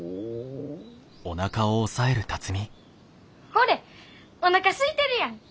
ほれおなかすいてるやん！